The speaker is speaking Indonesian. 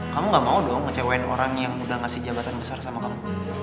kamu gak mau dong ngecewain orang yang udah ngasih jabatan besar sama kamu